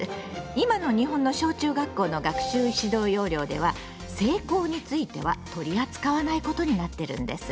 今の日本の小中学校の学習指導要領では性交については取り扱わないことになってるんです。